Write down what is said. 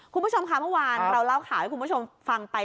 คุณผู้ชมค่ะเมื่อวานเราเล่าข่าวให้คุณผู้ชมฟังไป